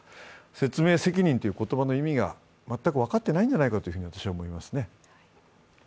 説明責任という言葉の意味が全く分かっていないんじゃないかと私は思います。